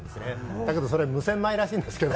だけど、それ無洗米らしいんですけど。